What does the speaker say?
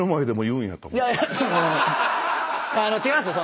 違うんすよ。